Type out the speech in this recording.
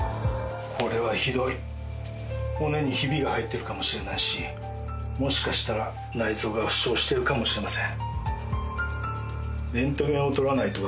骨にヒビが入ってるかもしれないしもしかしたら内臓が負傷してるかもしれません。